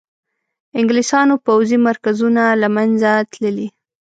انګلیسیانو پوځي مرکزونه له منځه تللي.